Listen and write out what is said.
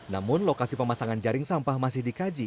namun lokasi pemasangan jaring sampah masih dikaji